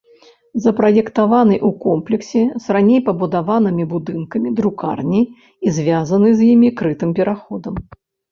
Запраектаваны ў комплексе з раней пабудаванымі будынкамі друкарні і звязаны з імі крытым пераходам.